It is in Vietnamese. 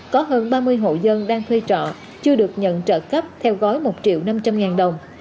có hơn ba mươi hộ dân đang thuê trọ chưa được nhận trợ cấp theo gói một triệu năm trăm linh ngàn đồng